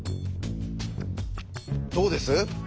どうです？